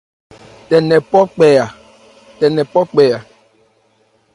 Tɛ nkɛ phɔ kpɛ a.